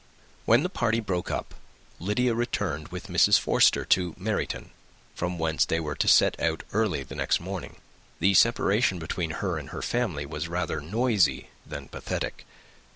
When the party broke up, Lydia returned with Mrs. Forster to Meryton, from whence they were to set out early the next morning. The separation between her and her family was rather noisy than pathetic.